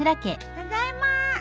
ただいま。